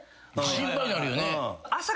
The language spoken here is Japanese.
心配なるよね。